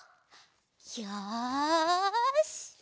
よし！